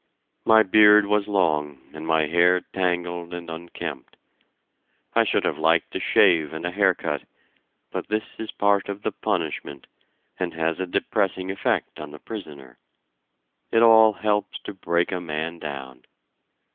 My beard was long and my hair tangled and unkempt. I should have liked a shave and a hair cut, but this is part of the punishment and has a depressing effect on the prisoner. It all helps to break a man down.